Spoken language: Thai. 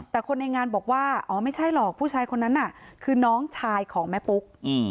แต่คนในงานบอกว่าอ๋อไม่ใช่หรอกผู้ชายคนนั้นน่ะคือน้องชายของแม่ปุ๊ก